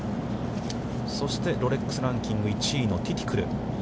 そして、ロレックス・ランキング１位のティティクル。